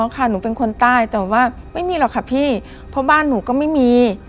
ค่ะหนูเป็นคนใต้แต่ว่าไม่มีหรอกค่ะพี่เพราะบ้านหนูก็ไม่มี